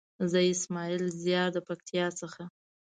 زه اسماعيل زيار د پکتيا څخه.